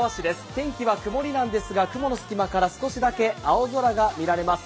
天気は曇りなんですが、雲の隙間から少しだけ青空が見られます。